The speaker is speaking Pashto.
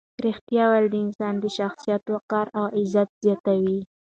ریښتیا ویل د انسان د شخصیت وقار او عزت زیاتوي.